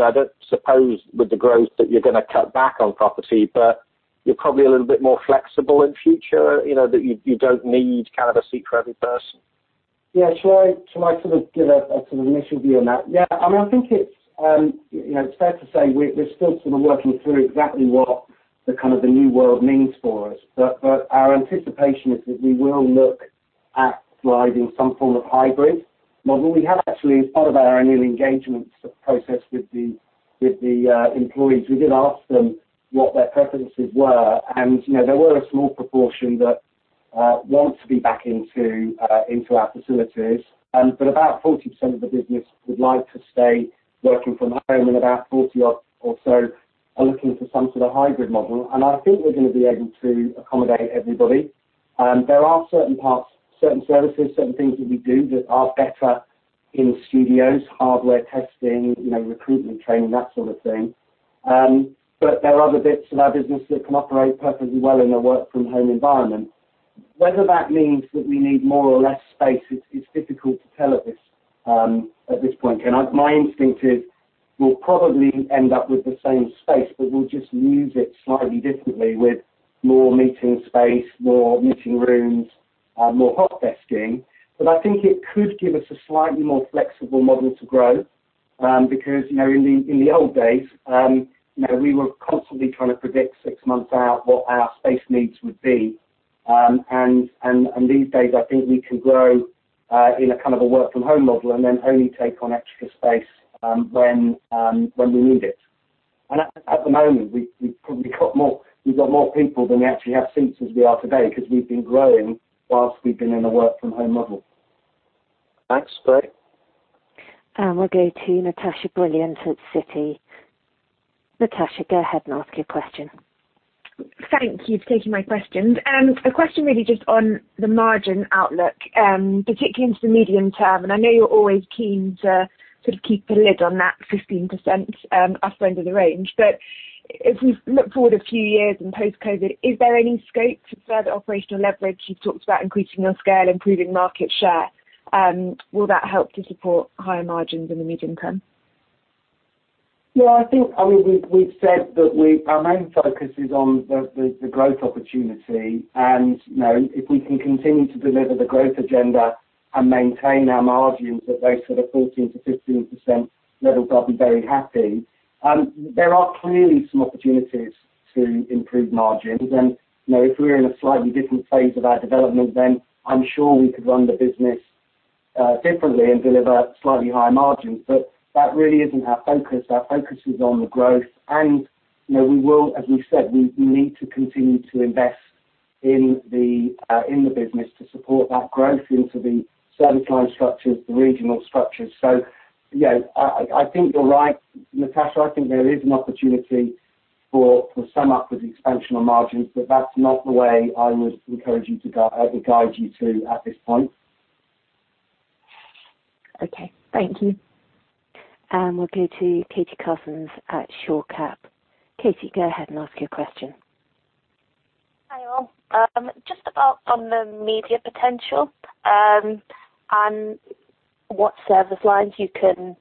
I don't suppose with the growth that you're going to cut back on property, but you're probably a little bit more flexible in future, that you don't need a seat for every person. Shall I give an initial view on that? I think it's fair to say we're still working through exactly what the new world means for us. Our anticipation is that we will look at providing some form of hybrid model. We have actually, as part of our annual engagement process with the employees, we did ask them what their preferences were, and there were a small proportion that want to be back into our facilities. About 40% of the business would like to stay working from home, and about 40% or so are looking for some sort of hybrid model, and I think we're going to be able to accommodate everybody. There are certain parts, certain services, certain things that we do that are better in studios, hardware testing, recruitment training, that sort of thing. There are other bits of our business that can operate perfectly well in a work from home environment. Whether that means that we need more or less space, it's difficult to tell at this point, Ken. My instinct is we'll probably end up with the same space, but we'll just use it slightly differently with more meeting space, more meeting rooms, more hot desking. I think it could give us a slightly more flexible model to grow. Because in the old days, we were constantly trying to predict six months out what our space needs would be. These days, I think we can grow in a work from home model and then only take on extra space when we need it. At the moment, we've got more people than we actually have seats as we are today because we've been growing whilst we've been in a work from home model. Thanks. Bye. We'll go to Natasha Brilliant at Citi. Natasha, go ahead and ask your question. Thank you for taking my questions. A question really just on the margin outlook, particularly into the medium term, and I know you're always keen to keep a lid on that 15%, upper end of the range. If we look forward a few years and post-COVID-19, is there any scope for further operational leverage? You've talked about increasing your scale, improving market share. Will that help to support higher margins in the mid-term? I think we've said that our main focus is on the growth opportunity, and if we can continue to deliver the growth agenda and maintain our margins at those sort of 14%-15% levels, I'll be very happy. There are clearly some opportunities to improve margins, and if we're in a slightly different phase of our development, then I'm sure we could run the business differently and deliver slightly higher margins. That really isn't our focus. Our focus is on the growth. We will, as we've said, we need to continue to invest in the business to support that growth into the service line structures, the regional structures. I think you're right, Natasha. I think there is an opportunity for some upwards expansion on margins. That's not the way I would encourage you to guide you to at this point. Okay. Thank you. We'll go to Katie Cousins at Shore Capital. Katie, go ahead and ask your question. Hi, all. Just about on the media potential, and what service lines you can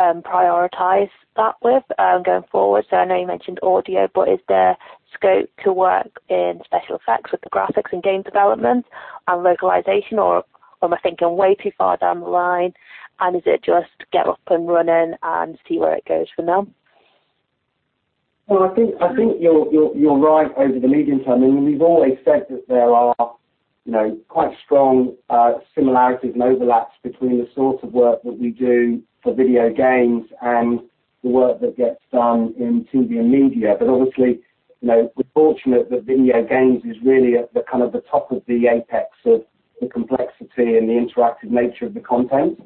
prioritize that with going forward. I know you mentioned audio, but is there scope to work in special effects with the graphics and game development and localization, or am I thinking way too far down the line, and is it just get up and running and see where it goes for now? Well, I think you're right over the medium term. I mean, we've always said that there are quite strong similarities and overlaps between the sort of work that we do for video games and the work that gets done in TV and media. Obviously, we're fortunate that video games is really at the top of the apex of the complexity and the interactive nature of the content.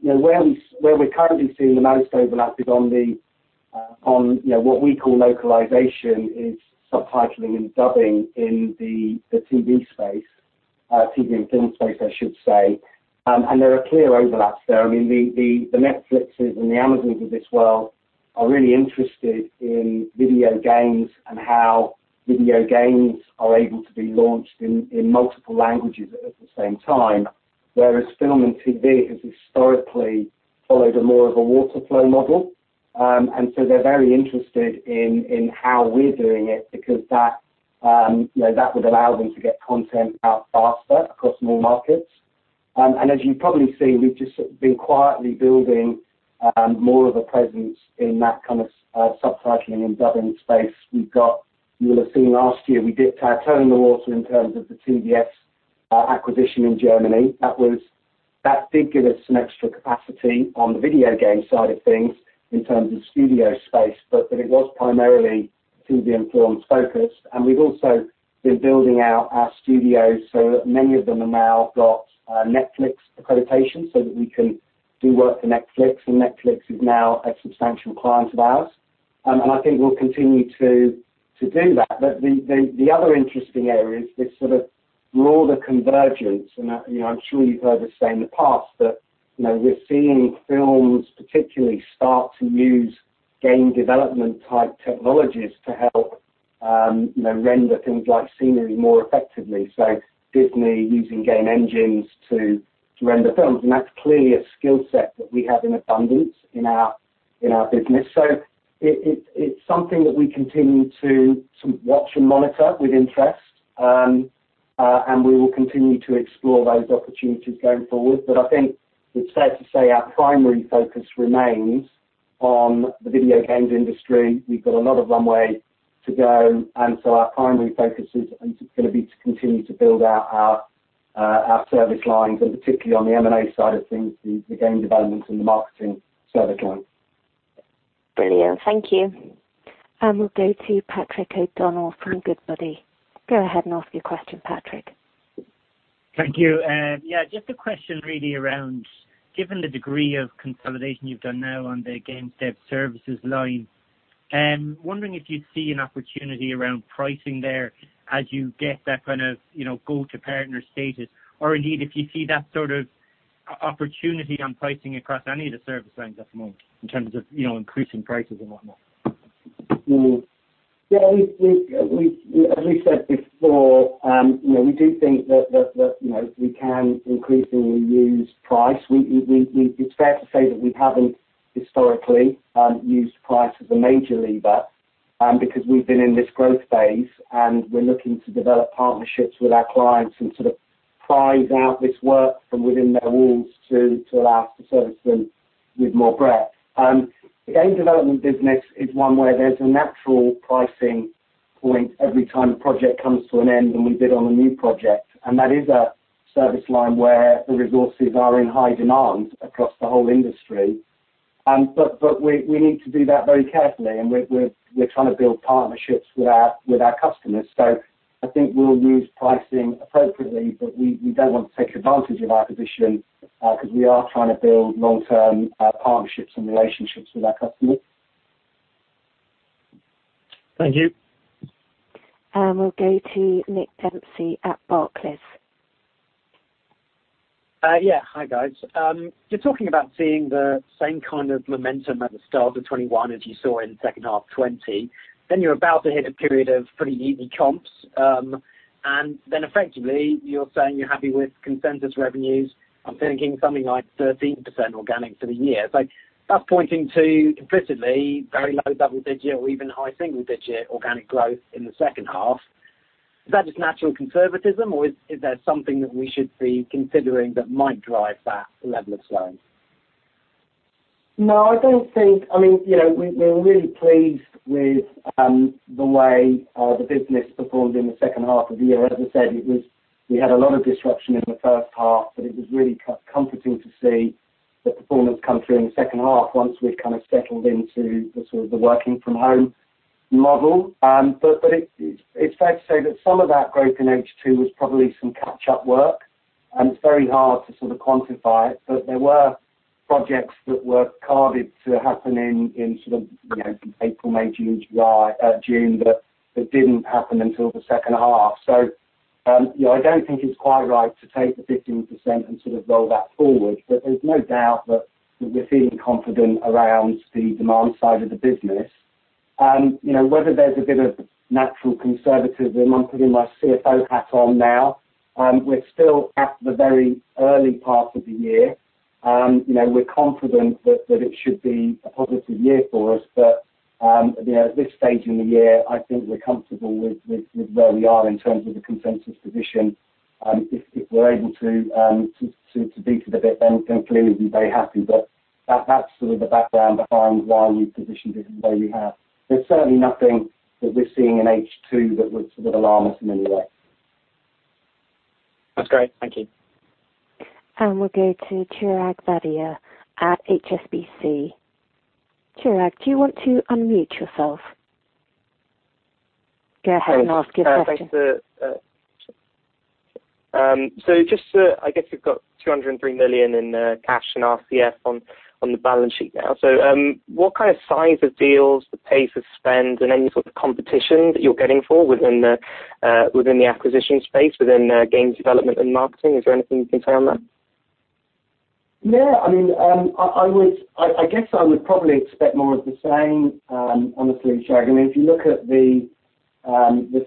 Where we're currently seeing the most overlap is on what we call localization, is subtitling and dubbing in the TV space. TV and film space, I should say. There are clear overlaps there. The Netflix and the Amazon of this world are really interested in video games and how video games are able to be launched in multiple languages at the same time. Whereas film and TV has historically followed more of a water flow model. They're very interested in how we're doing it, because that would allow them to get content out faster across more markets. As you've probably seen, we've just been quietly building more of a presence in that kind of subtitling and dubbing space. You will have seen last year, we dipped our toe in the water in terms of the TV+Synchron acquisition in Germany. That did give us some extra capacity on the video game side of things in terms of studio space, but it was primarily TV and film focused. We've also been building out our studios, so that many of them have now got Netflix accreditation, so that we can do work for Netflix. Netflix is now a substantial client of ours. I think we'll continue to do that. The other interesting area is this sort of broader convergence, and I'm sure you've heard us say in the past that we're seeing films particularly start to use game development-type technologies to help render things like scenery more effectively. Disney using game engines to render films, and that's clearly a skill set that we have in abundance in our business. It's something that we continue to watch and monitor with interest. We will continue to explore those opportunities going forward. I think it's fair to say our primary focus remains on the video games industry. We've got a lot of runway to go. Our primary focus is going to be to continue to build out our service lines, and particularly on the M&A side of things, the game development and the marketing service lines. Brilliant. Thank you. We'll go to Patrick O'Donnell from Goodbody. Go ahead and ask your question, Patrick. Thank you. Yeah, just a question really around given the degree of consolidation you've done now on the game dev services line, wondering if you see an opportunity around pricing there as you get that kind of go-to-partner status, or indeed if you see that sort of opportunity on pricing across any of the service lines at the moment in terms of increasing prices and whatnot? Yeah. As we said before, we do think that we can increasingly use price. It's fair to say that we haven't historically used price as a major lever, because we've been in this growth phase, and we're looking to develop partnerships with our clients and sort of prize out this work from within their walls to allow us to service them with more breadth. The game development business is one where there's a natural pricing point every time a project comes to an end, and we bid on a new project, and that is a service line where the resources are in high demand across the whole industry. We need to do that very carefully, and we're trying to build partnerships with our customers. I think we'll use pricing appropriately, but we don't want to take advantage of our position, because we are trying to build long-term partnerships and relationships with our customers. Thank you. We'll go to Nick Dempsey at Barclays. Hi, guys. You're talking about seeing the same kind of momentum at the start of 2021 as you saw in the second half 2020, then you're about to hit a period of pretty easy comps. Effectively you're saying you're happy with consensus revenues. I'm thinking something like 13% organic for the year. That's pointing to implicitly very low double digit or even high single digit organic growth in the second half. Is that just natural conservatism or is there something that we should be considering that might drive that level of slowing? We're really pleased with the way the business performed in the second half of the year. As I said, we had a lot of disruption in the first half, but it was really comforting to see the performance come through in the second half once we'd kind of settled into the working from home model. It's fair to say that some of that growth in H2 was probably some catch-up work. It's very hard to sort of quantify it, but there were projects that were carved to happen in sort of April, May, June, July that didn't happen until the second half. I don't think it's quite right to take the 15% and sort of roll that forward. There's no doubt that we're feeling confident around the demand side of the business. Whether there's a bit of natural conservatism, I'm putting my CFO hat on now, we're still at the very early part of the year. We're confident that it should be a positive year for us, but at this stage in the year, I think we're comfortable with where we are in terms of the consensus position. If we're able to beat it a bit, then clearly we'd be very happy. That's sort of the background behind why we've positioned it the way we have. There's certainly nothing that we're seeing in H2 that would sort of alarm us in any way. That's great. Thank you. We'll go to Chirag Vadhia at HSBC. Chirag, do you want to unmute yourself? Go ahead and ask your question. Thanks. I guess you've got 203 million in cash and RCF on the balance sheet now. What kind of size of deals, the pace of spend and any sort of competition that you're getting for within the acquisition space, within games development and marketing? Is there anything you can say on that? Yeah. I guess I would probably expect more of the same, honestly, Chirag. If you look at the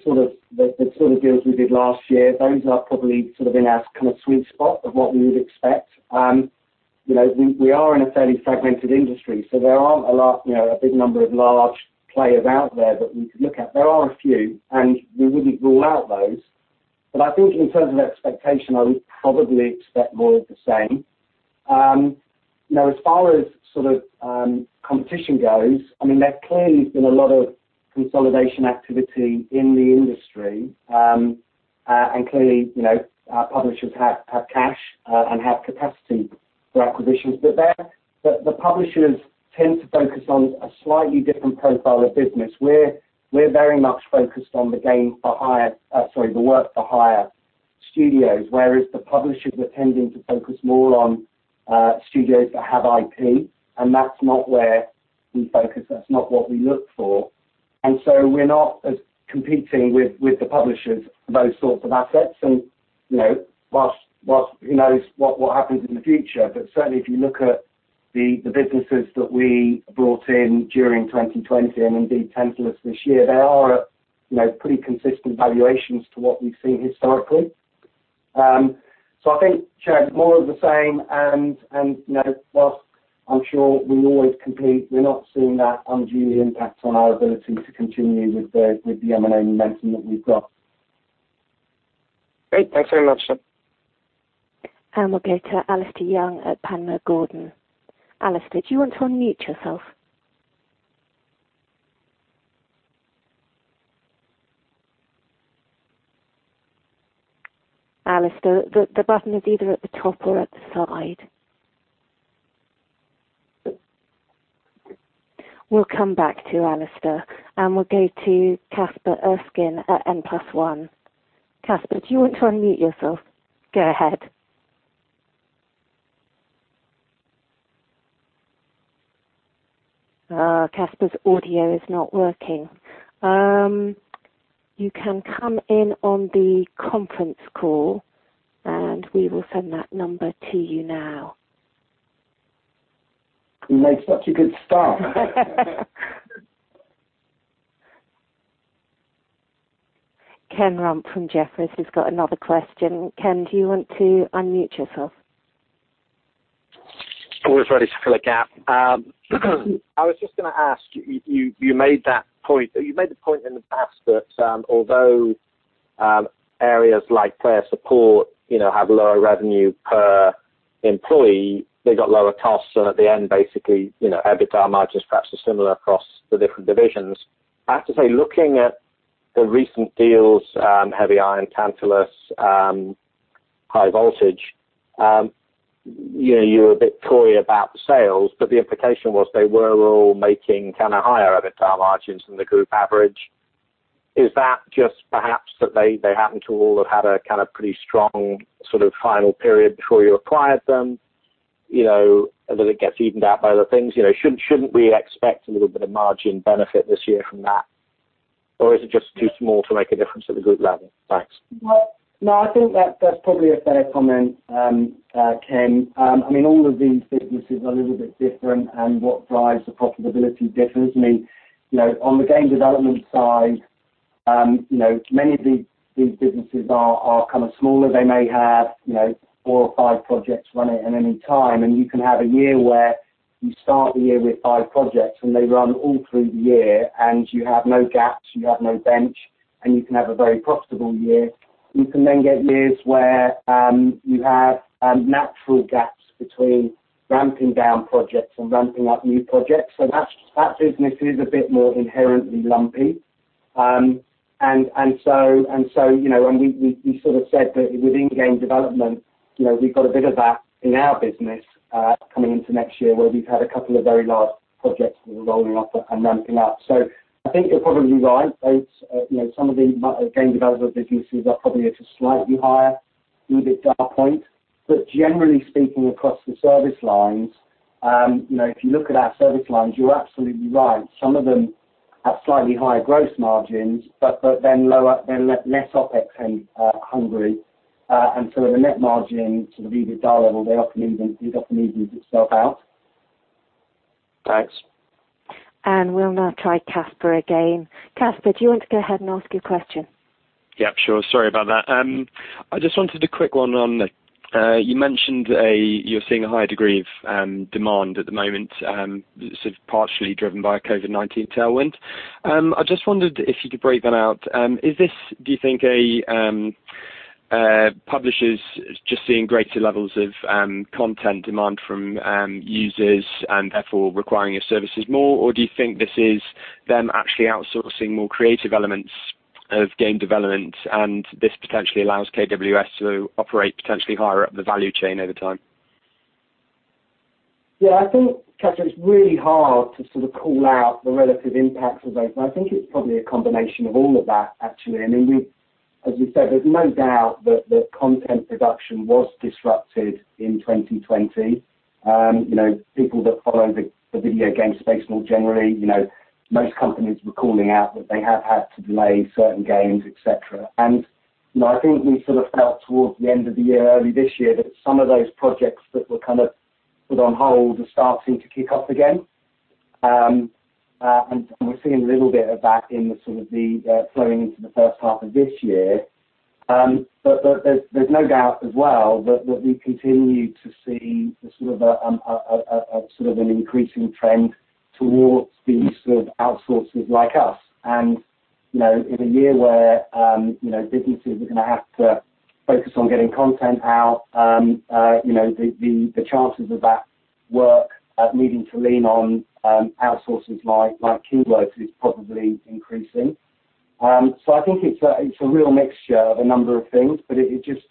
sort of deals we did last year, those are probably sort of in our kind of sweet spot of what we would expect. We are in a fairly fragmented industry, so there aren't a big number of large players out there that we could look at. There are a few, and we wouldn't rule out those. I think in terms of expectation, I would probably expect more of the same. Now, as far as sort of competition goes, there clearly has been a lot of consolidation activity in the industry. Clearly, our publishers have cash and have capacity for acquisitions. The publishers tend to focus on a slightly different profile of business. We're very much focused on the work for hire studios, whereas the publishers are tending to focus more on studios that have IP, and that's not where we focus, that's not what we look for. We're not as competing with the publishers for those sorts of assets. Whilst who knows what happens in the future, but certainly if you look at the businesses that we brought in during 2020 and indeed Tantalus this year, they are at pretty consistent valuations to what we've seen historically. I think, Chirag, more of the same and whilst I'm sure we always compete, we're not seeing that unduly impact on our ability to continue with the M&A momentum that we've got. Great. Thanks very much. We'll go to Alasdair Young at Panmure Gordon. Alasdair, do you want to unmute yourself? Alasdair, the button is either at the top or at the side. We'll come back to Alasdair, and we'll go to Caspar Erskine at N+1. Caspar, do you want to unmute yourself? Go ahead. Caspar's audio is not working. You can come in on the conference call, and we will send that number to you now. He made such a good start. Ken Rumph from Jefferies has got another question. Ken, do you want to unmute yourself? Always ready to fill a gap. I was just going to ask, you made the point in the past that although areas like player support have lower revenue per employee, they got lower costs, so at the end, basically, EBITDA margins perhaps are similar across the different divisions. I have to say, looking at the recent deals, Heavy Iron, Tantalus, High Voltage, you're a bit coy about the sales, but the implication was they were all making kind of higher EBITDA margins than the group average. Is that just perhaps that they happen to all have had a kind of pretty strong sort of final period before you acquired them? That it gets evened out by other things. Shouldn't we expect a little bit of margin benefit this year from that? Or is it just too small to make a difference at the group level? Thanks. Well, no, I think that's probably a fair comment, Ken. All of these businesses are a little bit different, and what drives the profitability differs. On the game development side, many of these businesses are kind of smaller. They may have four or five projects running at any time, and you can have a year where you start the year with five projects, and they run all through the year, and you have no gaps, you have no bench, and you can have a very profitable year. You can get years where you have natural gaps between ramping down projects and ramping up new projects. That business is a bit more inherently lumpy. We sort of said that within game development, we've got a bit of that in our business coming into next year where we've had a couple of very large projects that are rolling off and ramping up. I think you're probably right. Some of the game developer businesses are probably at a slightly higher EBITDA point. Generally speaking, across the service lines, if you look at our service lines, you're absolutely right. Some of them at slightly higher gross margins, but then less OpEx hungry. The net margin to the EBITDA level, it often evens itself out. Thanks. We'll now try Caspar again. Caspar, do you want to go ahead and ask your question? Yeah, sure. Sorry about that. I just wanted a quick one on, you mentioned you're seeing a higher degree of demand at the moment, partially driven by a COVID-19 tailwind. I just wondered if you could break that out. Is this, do you think, publishers just seeing greater levels of content demand from users and therefore requiring your services more? Do you think this is them actually outsourcing more creative elements of game development, and this potentially allows KWS to operate potentially higher up the value chain over time? Yeah, I think, Caspar, it's really hard to sort of call out the relative impacts of those. I think it's probably a combination of all of that, actually. As you said, there's no doubt that the content production was disrupted in 2020. People that follow the video game space more generally, most companies were calling out that they have had to delay certain games, et cetera. I think we sort of felt towards the end of the year, early this year, that some of those projects that were put on hold are starting to kick off again. We're seeing a little bit of that flowing into the first half of this year. There's no doubt as well that we continue to see an increasing trend towards the use of outsourcers like us. In a year where businesses are going to have to focus on getting content out, the chances of that work needing to lean on outsourcers like Keywords is probably increasing. I think it's a real mixture of a number of things, but it just,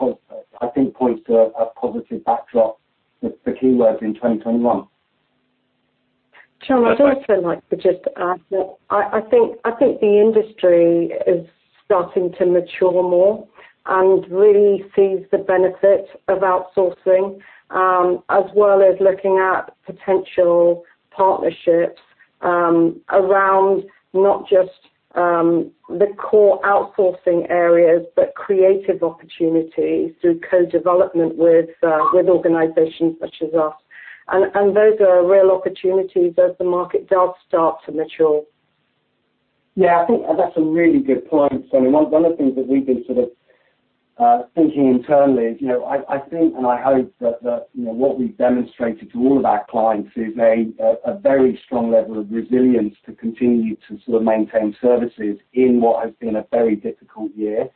I think, points to a positive backdrop for Keywords in 2021. Jon, I'd also like to just add that I think the industry is starting to mature more and really sees the benefit of outsourcing, as well as looking at potential partnerships around not just the core outsourcing areas, but creative opportunities through co-development with organizations such as us. Those are real opportunities as the market does start to mature. Yeah, I think that's a really good point, Sonia. One of the things that we've been thinking internally is, I think, and I hope that what we've demonstrated to all of our clients is a very strong level of resilience to continue to maintain services in what has been a very difficult year.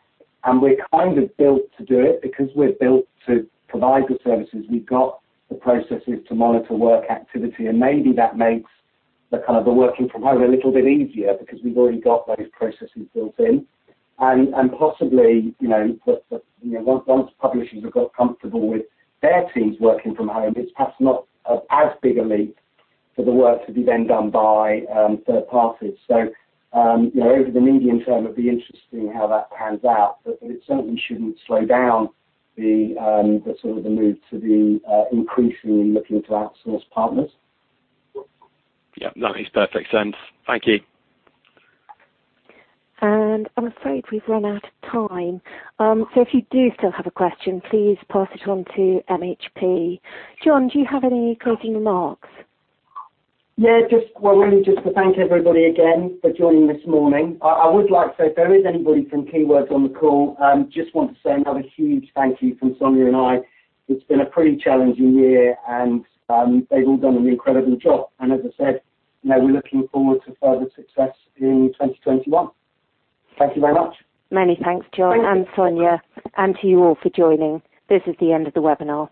We're kind of built to do it because we're built to provide the services. We've got the processes to monitor work activity, and maybe that makes the working from home a little bit easier because we've already got those processes built in. Possibly, once publishers have got comfortable with their teams working from home, it's perhaps not as big a leap for the work to be then done by third parties. Over the medium term, it'll be interesting how that pans out. It certainly shouldn't slow down the move to be increasingly looking to outsource partners. Yeah, no, it makes perfect sense. Thank you. I'm afraid we've run out of time. If you do still have a question, please pass it on to MHP. Jon, do you have any closing remarks? Yeah, just really to thank everybody again for joining this morning. I would like to say if there is anybody from Keywords on the call, just want to say another huge thank you from Sonia and I. They've all done an incredible job. As I said, we're looking forward to further success in 2021. Thank you very much. Many thanks, Jon. Sonia, and to you all for joining. This is the end of the webinar.